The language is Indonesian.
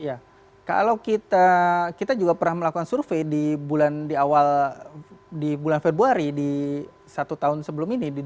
ya kalau kita juga pernah melakukan survei di bulan di awal di bulan februari di satu tahun sebelum ini di dua ribu dua puluh dua